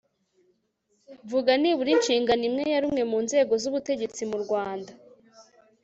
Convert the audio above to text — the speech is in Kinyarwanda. vuga nibura inshingano imwe ya rumwe mu nzego z'ubutegetsi murwanda